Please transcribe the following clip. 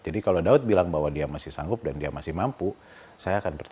jadi kalau daud bilang bahwa dia masih sanggup dan dia masih maaf